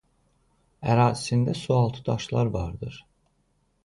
Ərazisində su altı daşlar vardır.